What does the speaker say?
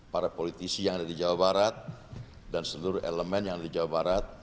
para politisi yang ada di jawa barat dan seluruh elemen yang ada di jawa barat